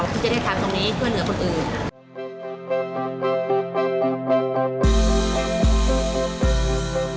เพื่อจะได้ทำตรงนี้เพื่อเหนือคนอื่น